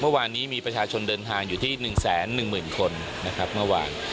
เมื่อวานนี้มีประชาชนเดินทางอยู่ที่๑๑๐๐๐คนนะครับเมื่อวาน